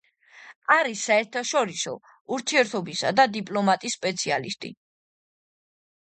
არის საერთაშორისო ურთიერთობისა და დიპლომატიის სპეციალისტი.